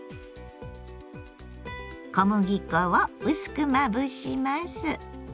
小麦粉を薄くまぶします。